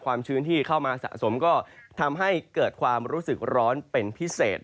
ชื้นที่เข้ามาสะสมก็ทำให้เกิดความรู้สึกร้อนเป็นพิเศษ